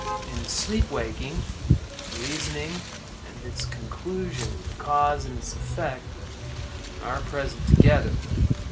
In sleep waking, the reasoning and its conclusion—the cause and its effect—are present together.